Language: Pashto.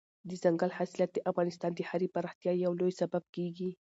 دځنګل حاصلات د افغانستان د ښاري پراختیا یو لوی سبب کېږي.